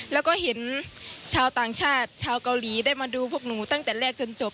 แล้วก็เห็นชาวต่างชาติชาวเกาหลีได้มาดูพวกหนูตั้งแต่แรกจนจบ